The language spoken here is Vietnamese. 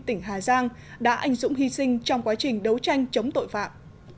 tỉnh hà giang đã ảnh dụng hy sinh trong quá trình đấu tranh chống tội phạm